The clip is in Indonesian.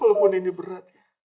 walaupun ini berat